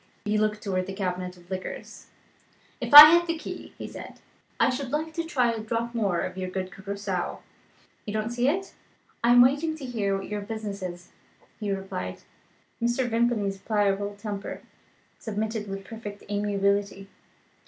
He looked towards the cabinet of liqueurs. "If I had the key," he said, "I should like to try a drop more of your good Curacoa. You don't see it?" "I am waiting to hear what your business is," Hugh replied. Mr. Vimpany's pliable temper submitted with perfect amiability.